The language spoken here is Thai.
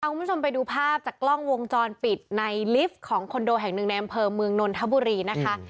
คุณผู้ชมไปดูภาพจากกล้องวงจรปิดในลิฟต์ของคอนโดแห่งหนึ่งในอำเภอเมืองนนทบุรีนะคะ